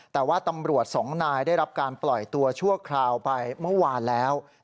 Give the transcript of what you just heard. แต่ว่าตำรวจสองนายได้รับการปล่อยตัวชั่วคราวไปเมื่อวานแล้ว